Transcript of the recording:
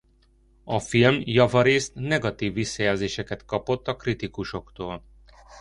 A film javarészt negatív visszajelzéseket kapott a kritikusoktól.